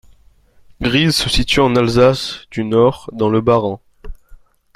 Gries se situe en Alsace du Nord, dans le Bas-Rhin.